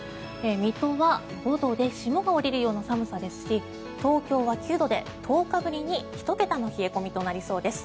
水戸は５度で霜が降りるような寒さですし東京は９度で１０日ぶりに１桁の冷え込みとなりそうです。